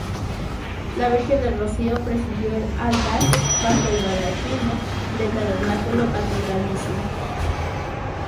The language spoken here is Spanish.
La Virgen del Rocío presidió el altar bajo el baldaquino del tabernáculo catedralicio.